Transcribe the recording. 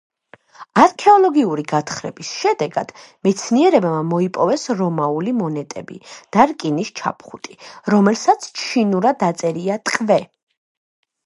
არქეოლოგიური გათხრების შედეგად მეცნიერებმა მოიპოვეს რომაული მონეტები და რკინის ჩაფხუტი, რომელსაც ჩინურად აწერია „ტყვე“.